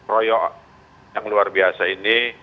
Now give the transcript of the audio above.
royok yang luar biasa ini